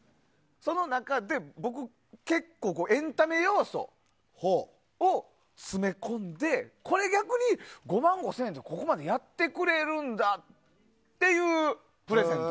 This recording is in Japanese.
その中で僕結構エンタメ要素を詰め込んでこれ逆に、５万５０００円でやってくれるんだっていうプレゼント。